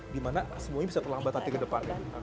dimana semuanya bisa terlambat nanti ke depannya